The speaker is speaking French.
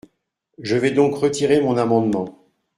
Je vais donc retirer mon amendement.